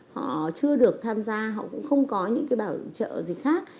họ chưa được tham gia họ cũng không có những cái bảo trợ gì khác